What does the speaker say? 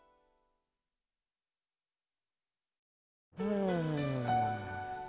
うん。